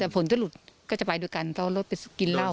ผลถ้าหลุดก็จะไปด้วยกันเพราะว่าเราไปกินเหล้า